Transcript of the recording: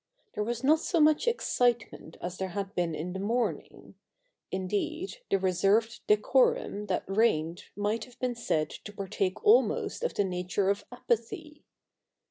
There was not so much excitement as there had been in the morning ; indeed, the reserved decorum that reigned might have been said to partake almost of the nature of apathy.